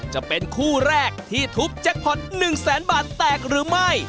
จะเป็นคู่แรกที่ทุบแจ็คพอร์ต๑แสนบาทแตกหรือไม่